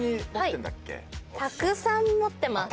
たくさん持ってます。